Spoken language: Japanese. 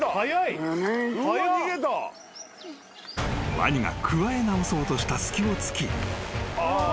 ［ワニがくわえ直そうとした隙を突き逃走］